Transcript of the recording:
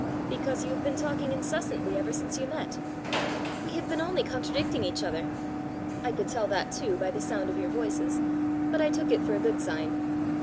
"Because you have been talking incessantly ever since you met." "We have been only contradicting each other." "I could tell that too by the sound of your voices; but I took it for a good sign."